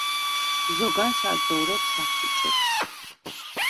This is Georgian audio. ზოგან საძოვრებს აფუჭებს.